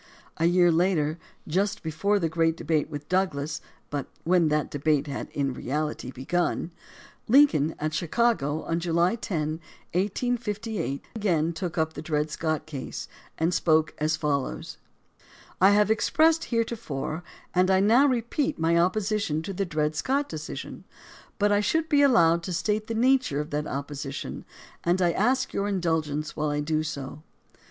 A year later, just before the great debate with Douglas, but when that debate had in reahty begun, Lincoln at Chicago on July 10, 1858, again took up the Dred Scott case and spoke as follows: I have expressed heretofore, and I now repeat, my opposi tion to the Dred Scott decision; but I should be allowed to THE DEMOCRACY OF ABRAHAM LINCOLN 145 state the nature of that opposition, and I ask your indulgence while I do so.